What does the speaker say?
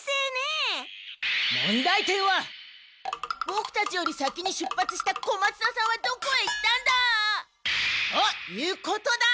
ボクたちより先に出発した小松田さんはどこへ行ったんだ！？ということだ！